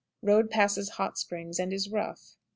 Road passes Hot Springs, and is rough.